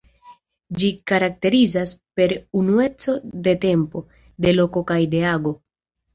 Ĝi karakterizas per unueco de tempo, de loko kaj de ago.